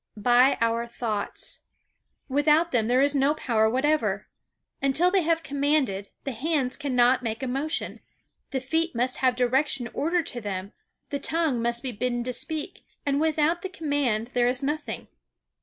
By our THOUGHTS. Without them there is no power whatever. Until they have commanded, the hands cannot make a motion; the feet must have direction ordered to them, the tongue must be bidden to speak, and without the command there is nothing.